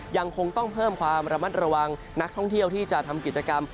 ยังคงต้องเพิ่มความระมัดระวังนักท่องเที่ยวที่จะทำกิจกรรม